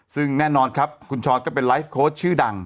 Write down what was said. ซึ่งแน่นอนครับคุณช้อนก็เป็นไลฟ์โค้ชชื่อดัง